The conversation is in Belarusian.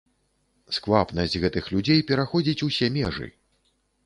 Сквапнасць гэтых людзей пераходзіць усе межы.